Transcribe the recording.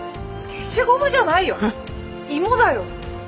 消しゴムじゃないよ芋だよ。